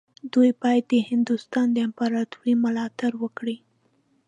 دوی باید د هندوستان د امپراطورۍ ملاتړ وکړي.